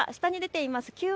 右上か下に出ています